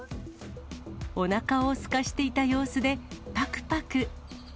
おなかをすかせていた様子で、ぱくぱく。